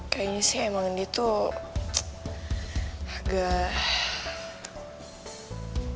kayaknya sih emang dia tuh agak